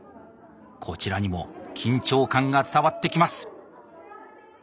こちらにも緊張感が伝わってきます。